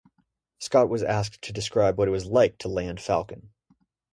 Scott was asked to describe what it was like to land "Falcon".